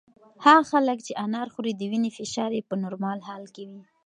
هغه خلک چې انار خوري د وینې فشار یې په نورمال حال وي.